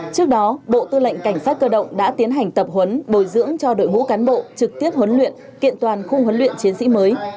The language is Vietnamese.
trước đó bộ tư lệnh cảnh sát cơ động đã tiến hành tập huấn bồi dưỡng cho đội ngũ cán bộ trực tiếp huấn luyện kiện toàn khung huấn luyện chiến sĩ mới